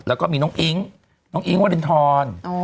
แล้วก็มีน้องอิ๊งน้องอิ๊งวรินทร